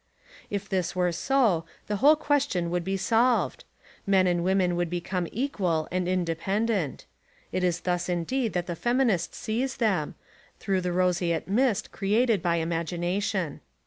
If this were so, the whole question would be solved. Women and men would become equal and independent. It is thus indeed that the feminist sees them, through the roseate mist created by imagination.